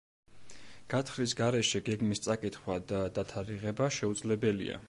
გათხრის გარეშე გეგმის წაკითხვა და დათარიღება შეუძლებელია.